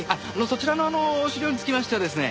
そちらのあの資料につきましてはですね。